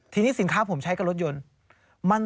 ทีนี้สินค้าผมใช้กับรถยนต์